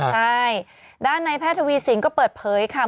ใช่ด้านในแพทย์ทวีสินก็เปิดเผยค่ะ